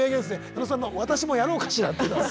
矢野さんの「私もやろうかしら」っていうのは。